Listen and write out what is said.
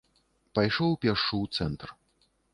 Пайшоў пешшу ў цэнтр.